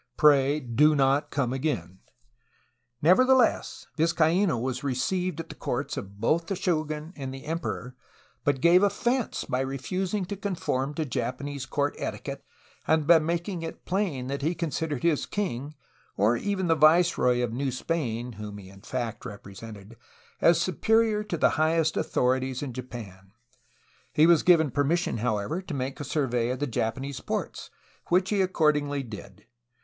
Pray do not come again!" Nevertheless, Vizcaino was received at the courts of both the shogun and the emperor, but gave offence by refusing to conform to Japanese court etiquette and by making it plain that he considered his king, or even the viceroy of New Spain (whom he in fact represented), as superior to the high est authorities in Japan. He was given permission, how ever, to make a survey of Japanese ports, which he accord ingly did.